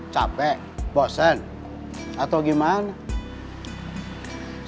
capek bosan atau gimana